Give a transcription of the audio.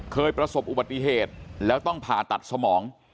เคยประสบอุบัติเหตุแล้วต้องผ่าตัดสมอง